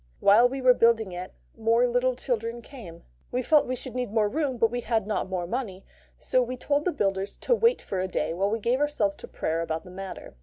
While we were building it, more little children came. We felt we should need more room, but had not more money; so we told the builders to wait for a day while we gave ourselves to prayer about the matter.